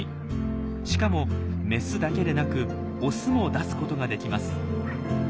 しかもメスだけでなくオスも出すことができます。